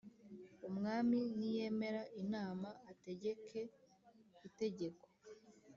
Umwami niyemera inama ategeke itegeko